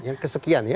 yang kesekian ya